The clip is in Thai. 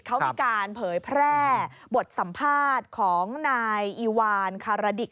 เขามีการเผยแพร่บทสัมภาษณ์ของนายอีวานคาราดิก